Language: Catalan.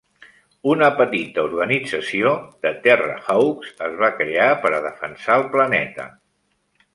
Una petita organització, The Terrahawks, es va crear per defensar el planeta.